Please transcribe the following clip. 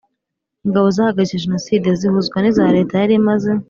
ingabo zahagaritse Jenoside zihuzwa n iza Leta yari imaze